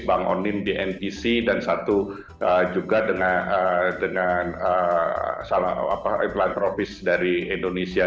bang onim di ntc dan satu juga dengan iklantropis dari indonesia